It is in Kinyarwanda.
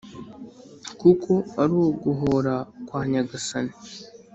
Kuko ari uguhora kwa Nyagasani.